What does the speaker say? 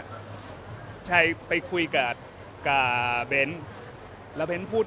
ฉันจะไปคุยกับเบนท์